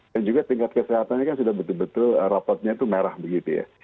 dan juga tingkat kesehatannya kan sudah betul betul rapatnya itu merah begitu ya